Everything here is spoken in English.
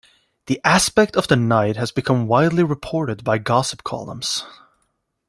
This aspect of the night has become widely reported by gossip columns.